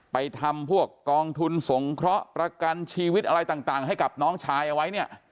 ไปทำพวกกองทุนสงเคราะห์ประกันชีวิตอะไรต่างให้กับน้องชายเอาไว้เนี่ย